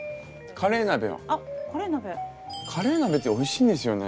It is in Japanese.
カレー鍋っておいしいんですよね。